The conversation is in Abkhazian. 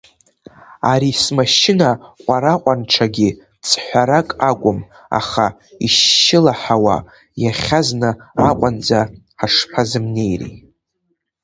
Ари смашьына ҟәараҟәанҽагьы ҵҳәарак акәым, аха ишьшьылаҳауа иахьазны Аҟәанӡа ҳашԥазымнеири!